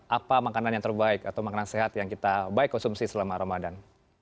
apa makanan yang terbaik atau makanan sehat yang kita baik konsumsi selama ramadan